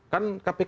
kan kpk tetap bisa